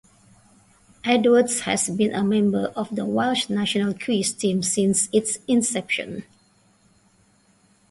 Edwards has been a member of the Welsh National Quiz Team since its inception.